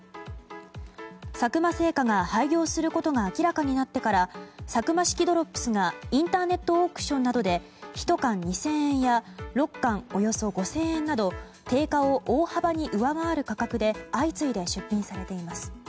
佐久間製菓が廃業することが明らかになってからサクマ式ドロップスがインターネットオークションなどで１缶２０００円や６缶およそ５０００円など低下を大幅に上回る価格で相次いで出品されています。